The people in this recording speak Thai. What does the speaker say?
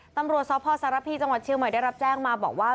ตำรวจสพสารพีจังหวัดเชียงใหม่ได้รับแจ้งมาบอกว่า